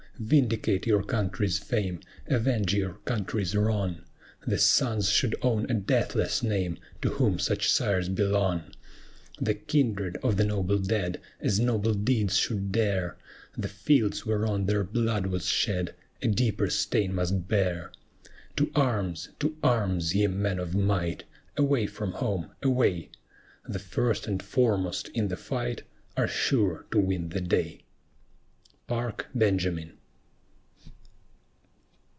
vindicate your country's fame, Avenge your country's wrong! The sons should own a deathless name, To whom such sires belong. The kindred of the noble dead As noble deeds should dare: The fields whereon their blood was shed A deeper stain must bear. To arms! to arms! ye men of might; Away from home, away! The first and foremost in the fight Are sure to win the day! PARK BENJAMIN.